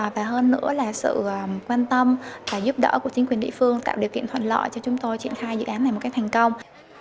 và hơn nữa là sự quan tâm và giúp đỡ của chính quyền địa phương tạo điều kiện thuận lợi cho chúng tôi triển khai dự án này một cách thành công